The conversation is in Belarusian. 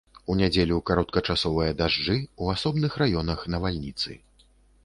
У нядзелю кароткачасовыя дажджы у асобных раёнах навальніцы.